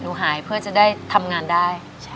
หายเพื่อจะได้ทำงานได้